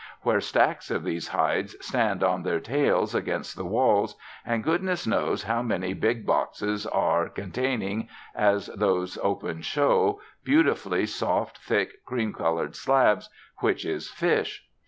Where stacks of these hides stand on their tails against the walls, and goodness knows how many big boxes are, containing, as those open show, beautifully soft, thick, cream coloured slabs, which is fish.